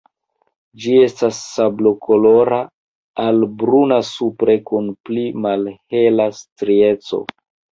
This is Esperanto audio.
Ĝi estas sablokolora al bruna supre kun pli malhela strieco.